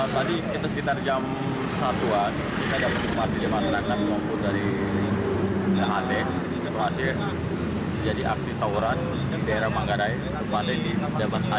tadi kita sekitar jam satu an kita sudah berhubungan masih di masalah dengan kelompok dari